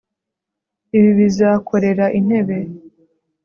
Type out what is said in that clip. Ibi bizakorera intebe